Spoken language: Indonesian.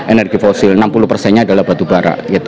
energi fosil enam puluh persennya adalah batu bara